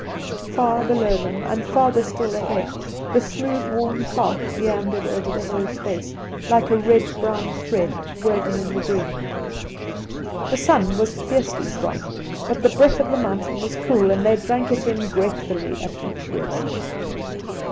Far below them, and farther still ahead, the smooth worn path meandered over the hill's face like a red brown thread woven in the green. The sun was fiercely strong, but the breath of the moun tain was cool, and they drank it in gratefully at each rest.